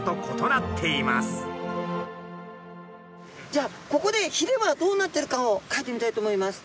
じゃあここでひれはどうなってるかをかいてみたいと思います。